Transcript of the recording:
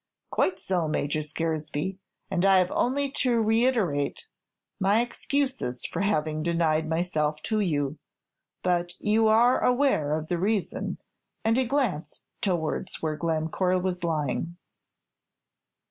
"Quite so, Major Scaresby; and I have only to reiterate my excuses for having denied myself to you. But you are aware of the reason;" and he glanced towards where Glen Core was lying.